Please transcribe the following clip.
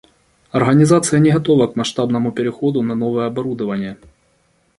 Организация не готова к масштабному переходу на новое оборудование